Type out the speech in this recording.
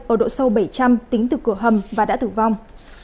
ở độ sâu bảy trăm linh tính từ cửa hầm và đã tử vong